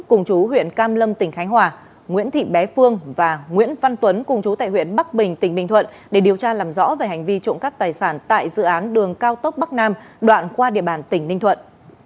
cùng chú huyện cam lâm tỉnh khánh hòa nguyễn thị bé phương và nguyễn văn tuấn cùng chú tại huyện bắc bình tỉnh bình thuận để điều tra làm rõ về hành vi trộm cắp tài sản tại dự án đường cao tốc bắc nam đoạn qua địa bàn tỉnh ninh thuận